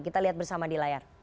kita lihat bersama di layar